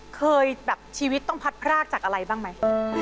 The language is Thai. เคยแบบชีวิตต้องพัดพรากจากอะไรบ้างไหม